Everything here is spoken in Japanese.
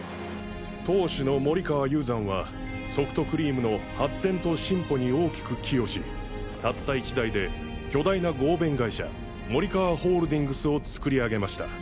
当主の森川雄山はソフトクリームの発展と進歩に大きく寄与したった１代で巨大な合弁会社森川ホールディングスを作り上げました。